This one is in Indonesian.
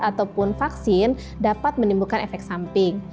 ataupun vaksin dapat menimbulkan efek samping